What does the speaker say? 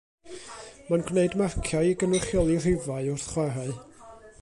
Mae'n gwneud marciau i gynrychioli rhifau wrth chwarae